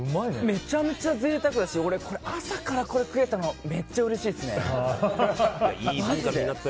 めちゃめちゃ贅沢だし俺、朝からこれ食えたのがめっちゃうれしいですね。